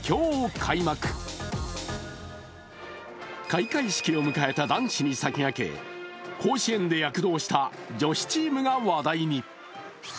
開会式を迎えた男子に先駆け甲子園で躍動した女子チームが話題に。